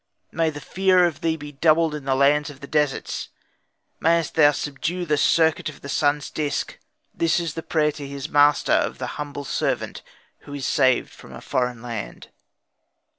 May the fear of thee be doubled in the lands of the deserts. Mayest thou subdue the circuit of the sun's disc. This is the prayer to his master of the humble servant who is saved from a foreign land.